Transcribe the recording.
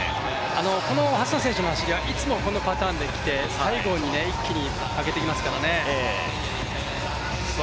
このハッサン選手の走りはいつもこのパターンできて、最後に一気に上げてきますからね。